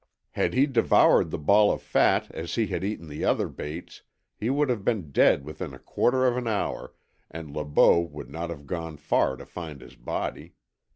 Had he devoured the ball of fat as he had eaten the other baits he would have been dead within a quarter of an hour, and Le Beau would not have gone far to find his body.